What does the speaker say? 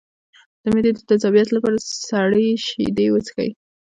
د معدې د تیزابیت لپاره سړې شیدې وڅښئ